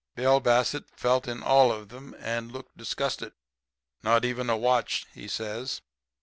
"Bill Bassett felt in all of them, and looked disgusted. "'Not even a watch,' he says.